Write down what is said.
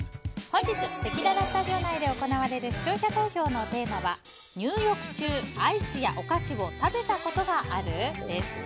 本日せきららスタジオ内で行われる視聴者投票のテーマは入浴中アイスやお菓子を食べたことがある？です。